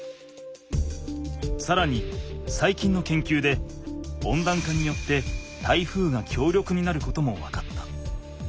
さらにさいきんの研究で温暖化によって台風が強力になることも分かった。